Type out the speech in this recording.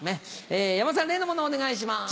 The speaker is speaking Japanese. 山田さん例のものをお願いします。